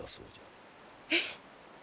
えっ！